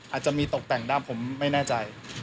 อาจจะมีตกแต่งบ้างผมไม่แน่ใจ